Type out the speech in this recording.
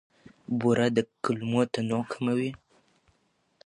بوره د کولمو تنوع کموي.